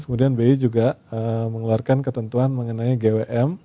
kemudian bi juga mengeluarkan ketentuan mengenai gwm